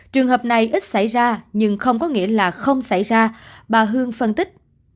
trường hợp này ít xảy ra nhưng không có nghĩa là không xảy ra bà hương phân tích